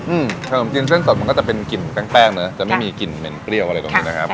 อืมขนมจีนเส้นสดมันก็จะเป็นกลิ่นแป้งนะจะไม่มีกลิ่นเหม็นเปรี้ยวอะไรตรงนี้นะครับ